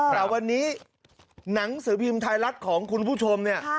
แต่วันนี้หนังสือพิมพ์ไทยรัฐของคุณผู้ชมเนี่ย